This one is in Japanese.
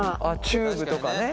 チューブとかね。